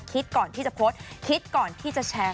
คิดก่อนที่จะโพสต์คิดก่อนที่จะแชร์